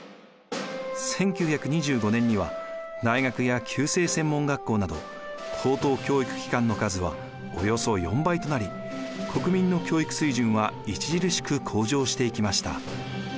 １９２５年には大学や旧制専門学校など高等教育機関の数はおよそ４倍となり国民の教育水準は著しく向上していきました。